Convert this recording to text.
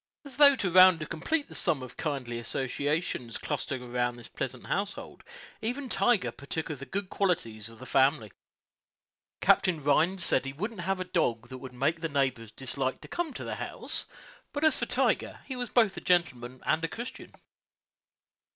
As though to round and complete the sum of kindly associations clustering around this pleasant household, even Tiger partook of the good qualities of the family. Captain Rhines said that he wouldn't have a dog that would make the neighbors dislike to come to the house; but as for Tiger, he was both a gentleman and a Christian.